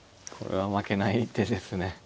これは負けない手ですね。